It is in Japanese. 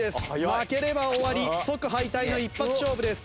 負ければ終わり即敗退の一発勝負です。